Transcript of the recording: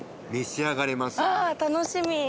ああ楽しみ！